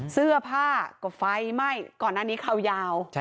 เสื้อผ้าก็ไฟไหม้ก่อนหน้านี้เขายาว